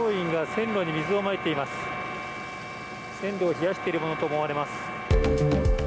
線路を冷やしているものと思われます。